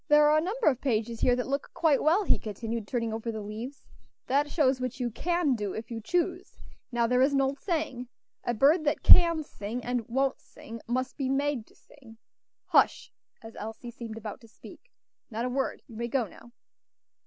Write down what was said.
"There are a number of pages here that look quite well," he continued, turning over the leaves; "that shows what you can do, if you choose; now there is an old saying, 'A bird that can sing, and won't sing, must be made to sing.' Hush!" as Elsie seemed about to speak; "not a word. You may go now."